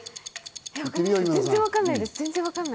全然わかんないです。